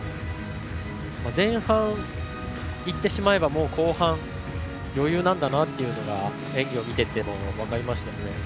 前半、いってしまえば後半は余裕なんだなと演技を見ていても分かりましたね。